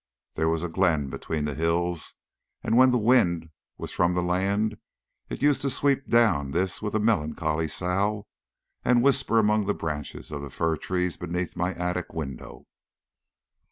There was a glen between the hills, and when the wind was from the land it used to sweep down this with a melancholy sough and whisper among the branches of the fir trees beneath my attic window.